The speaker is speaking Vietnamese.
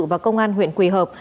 và công an huyện quỳ hợp